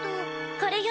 これよ！